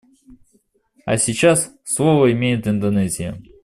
А сейчас слово имеет Индонезия.